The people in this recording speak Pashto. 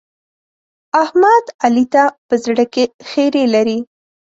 احمد؛ علي ته په زړه کې خيری لري.